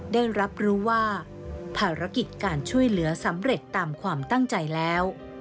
ได้รับรู้ว่าภารกิจการช่วยเหลือสำเร็จตามความตั้งใจแล้ว